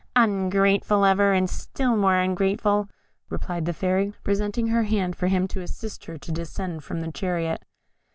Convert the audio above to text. "Ungrateful ever, and still more ungrateful," replied the Fairy, presenting her hand for him to assist her to descend from her chariot.